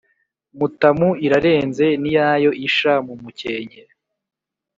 Mutamu irarenze n'iyayo-Isha mu mukenke.